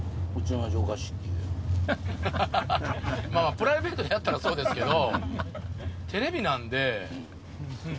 プライベートでやったらそうですけど。